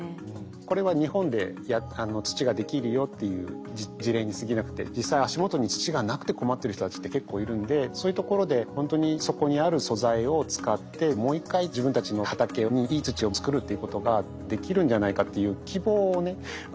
これは日本で土ができるよっていう事例にすぎなくて実際足元に土がなくて困ってる人たちって結構いるんでそういうところでほんとにそこにある素材を使ってもう一回自分たちの畑にいい土を作るっていうことができるんじゃないかっていう希望をね